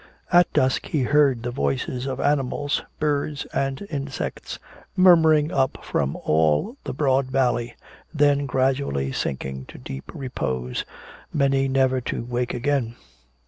At dusk he heard the voices of animals, birds and insects, murmuring up from all the broad valley, then gradually sinking to deep repose, many never to wake again.